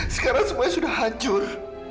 sekarang semuanya sudah hancur